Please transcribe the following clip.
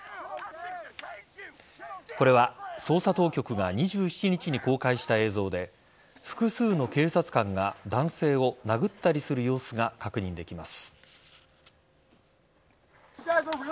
これは捜査当局が２７日に公開した映像で複数の警察官が男性を殴ったりする様子が確認できます。